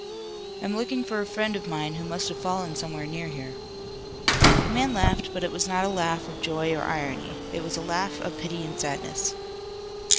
"I'm looking for a friend of mine who must have fallen somewhere near here." The man laughed, but it was not a laugh of joy or irony. It was a laugh of pity and sadness.